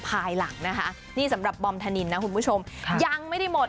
ภายหลังนะคะนี่สำหรับบอมธนินนะคุณผู้ชมยังไม่ได้หมด